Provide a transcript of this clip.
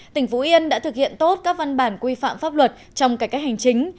tỉnh phú yên đã thực hiện tốt các văn bản quy phạm pháp luật trong cải cách hành chính